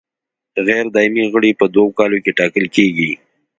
غیر دایمي غړي په دوو کالو کې ټاکل کیږي.